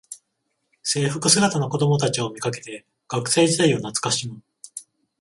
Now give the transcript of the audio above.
制服姿の子どもたちを見かけて学生時代を懐かしむ